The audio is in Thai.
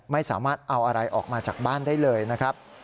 ไม่สามารถเอาอะไรออกมาจากบ้านได้เลยนะครับ